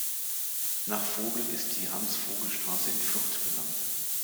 Nach Vogel ist die "Hans-Vogel-Straße" in Fürth benannt.